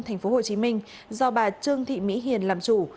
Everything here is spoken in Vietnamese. thành phố hồ chí minh do bà trương thị mỹ hiền làm chủ